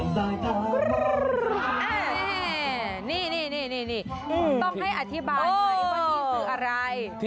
ที่นี่คืออะไร